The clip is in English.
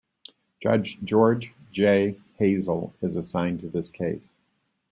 Judge George J. Hazel is assigned to this case.